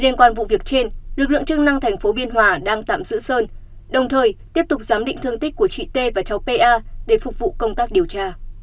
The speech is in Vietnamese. liên quan vụ việc trên lực lượng chức năng thành phố biên hòa đang tạm giữ sơn đồng thời tiếp tục giám định thương tích của chị t và cháu pa để phục vụ công tác điều tra